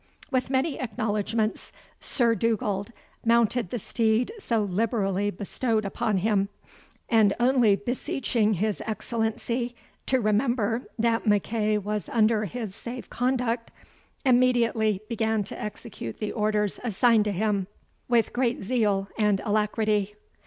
With many acknowledgments, Sir Dugald mounted the steed so liberally bestowed upon him; and only beseeching his Excellency to remember that MacEagh was under his safe conduct, immediately began to execute the orders assigned to him, with great zeal and alacrity.